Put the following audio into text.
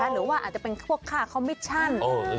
หรือว่าอาจจะเป็นพวกค่าคอมมิชชั่น